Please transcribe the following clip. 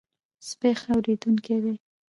سپي ښه اورېدونکي دي.